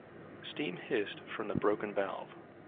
Steam hissed from the broken valve.